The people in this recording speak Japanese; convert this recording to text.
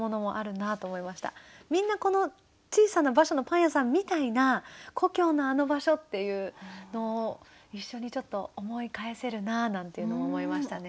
みんなこの「小さな馬車のパン屋さん」みたいな故郷のあの場所っていうのを一緒にちょっと思い返せるななんていうのも思いましたね。